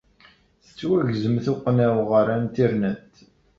Tettwagzem tuqqna-w ɣer Internet.